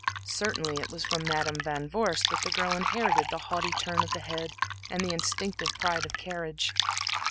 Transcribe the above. Certainly it was from Madam Van Vorst that the girl inherited the haughty turn of the head and the instinctive pride of carriage.